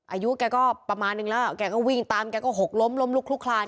อายุแกก็ประมาณนึงแล้วแกก็วิ่งตามแกก็หกล้มล้มลุกลุกคลาน